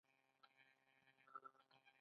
ایا د روغتون پته پوهیږئ؟